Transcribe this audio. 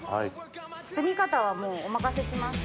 包み方はお任せします。